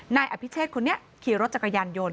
นายอภิเชษคนนี้ขี่รถจักรยานยนต์